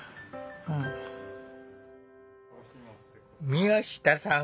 宮下さん